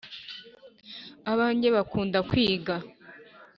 abange bakunda kwiga